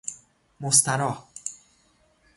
مستراح